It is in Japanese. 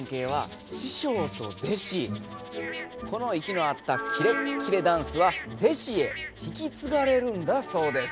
この息の合ったキレッキレダンスは弟子へ引きつがれるんだそうです。